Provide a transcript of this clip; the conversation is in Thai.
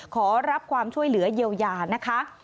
ขอรับความช่วยเหลือเยียวยานะคะ